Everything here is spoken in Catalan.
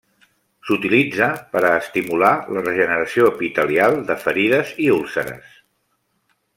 S'utilitza per a estimular la regeneració epitelial de ferides i úlceres.